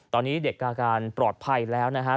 ตอนนี้เด็กอาการปลอดภัยแล้วนะฮะ